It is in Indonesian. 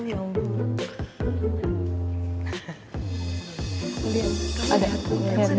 iya udah gue disitu